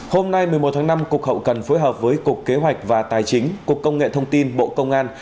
hôm nay một mươi một tháng năm cục hậu cần phối hợp với cục kế hoạch và tài chính cục công nghệ thông tin bộ công an